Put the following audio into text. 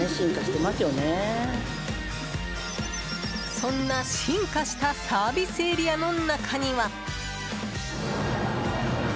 そんな、進化したサービスエリアの中には。